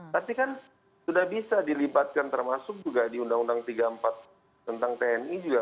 tapi kan sudah bisa dilibatkan termasuk juga di undang undang tiga puluh empat tentang tni juga